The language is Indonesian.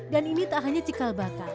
dan ini tak hanya cikalbaka